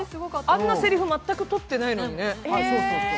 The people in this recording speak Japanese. あんなせりふ、全く録ってないのにね。